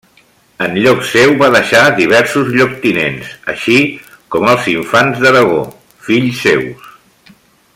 En lloc seu va deixar diversos lloctinents, així com els infants d'Aragó, fills seus.